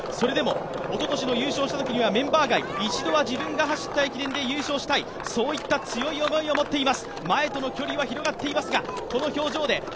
それでも、おととしの優勝したときにはメンバー外、一度は自分が走った駅伝で優勝したいそういった強い思いを持っています。